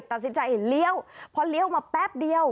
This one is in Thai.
ตัดสินใจเลี้ยวพอเลี้ยวมาแป๊บเดียว